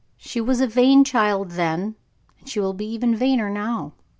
She was a vain child then she will be even vainer now.